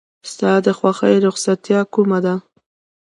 ستا د خوښې رخصتیا کومه ده؟